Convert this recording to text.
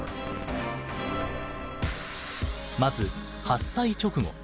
まず発災直後。